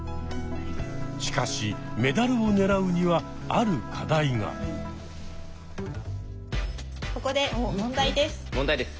しかしメダルを狙うにはここで問題です。